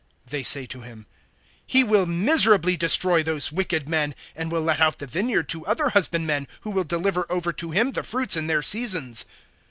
(41)They say to him: He will miserably destroy those wicked men, and will let out the vineyard to other husbandmen, who will deliver over to him the fruits in their seasons.